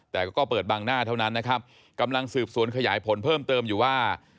แต่ก็เปิดบางหน้าเท่านั้นนะครับกำลังสืบสวนขยายผลเพิ่มเติมอยู่ว่า